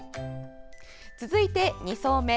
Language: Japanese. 続いて、２層目。